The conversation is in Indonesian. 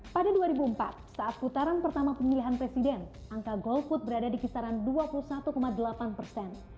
pada dua ribu empat saat putaran pertama pemilihan presiden angka golput berada di kisaran dua puluh satu delapan persen